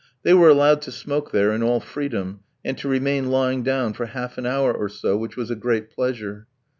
They were allowed to smoke there in all freedom, and to remain lying down for half an hour or so, which was a great pleasure.